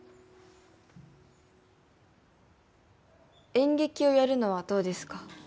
演劇をやるのはどうですか？